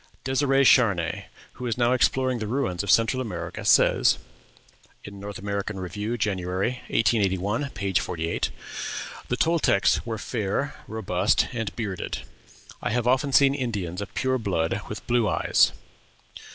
Dêsirè Charnay, who is now exploring the ruins of Central America, says (North American Review, January, 1881, p. 48), "The Toltecs were fair, robust, and bearded. I have often seen Indians of pure blood with blue eyes."